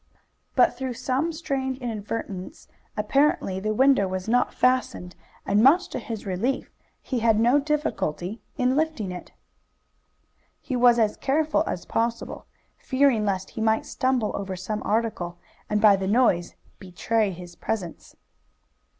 But through some strange inadvertence, apparently, the window was not fastened, and much to his relief he had no difficulty in lifting it. He was as careful as possible, fearing lest he might stumble over some article, and by the noise betray his presence.